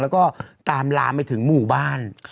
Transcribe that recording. แล้วก็ตามลามไปถึงหมู่บ้าน